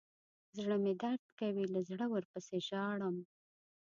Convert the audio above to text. زړه مې درد کوي له زړه ورپسې ژاړم.